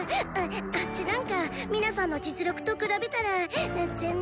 あッチなんか皆さんの実力と比べたら全然。